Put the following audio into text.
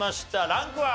ランクは？